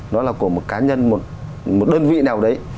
nó là của một cá nhân một đơn vị nào đấy